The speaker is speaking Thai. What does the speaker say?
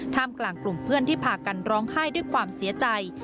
กลุ่มกลางกลุ่มเพื่อนที่พากันร้องไห้ด้วยความเสียใจ